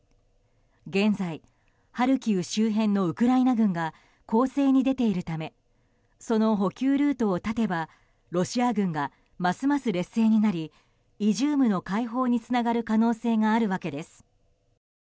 現在、ハルキウ周辺のウクライナ軍が攻勢に出ているためその補給ルートを断てばロシア軍がますます劣勢になりイジュームの解放につながる可能性があるわけです。